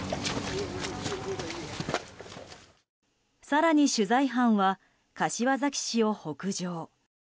更に取材班は柏崎市を北上。